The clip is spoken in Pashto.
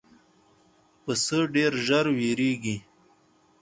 پسه ډېر ژر وېرېږي.